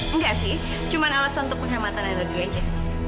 enggak sih cuma alasan untuk penghematan energi aja